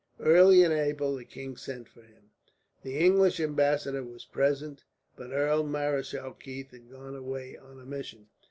Early in April the king sent for him. The English ambassador was present, but Earl Marischal Keith had gone away on a mission.